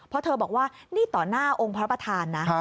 เพราะเธอบอกว่านี่ต่อหน้าองค์พระประธานนะ